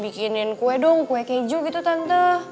bikinin kue dong kue keju gitu tante